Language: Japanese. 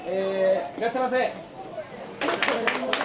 いらっしゃいませ。